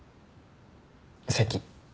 席。